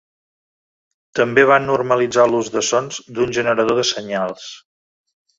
També van normalitzar l'ús de sons d'un generador de senyals.